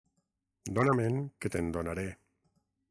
Dona-me'n, que te'n donaré.